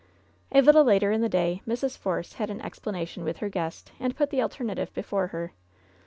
A little later in the day Mrs. Force had an explana tion with her guest, and put the alternative before her.